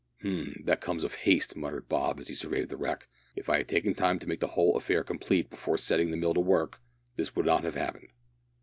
"H'm! that comes of haste," muttered Bob, as he surveyed the wreck. "If I had taken time to make the whole affair complete before setting the mill to work, this would not have happened."